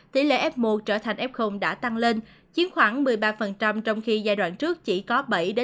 tỷ lệ f một trở thành f đã tăng lên chiếm khoảng một mươi ba trong khi giai đoạn trước chỉ có bảy năm